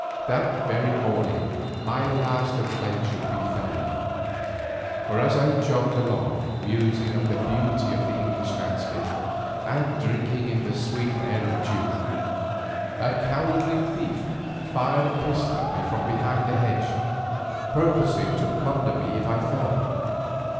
That very morning my last adventure befell me, for as I jogged along musing of the beauty of the English landscape and drinking in the sweet air of June, a cowardly thief fired a pistol at me from behind a hedge, purposing to plunder me if I fell.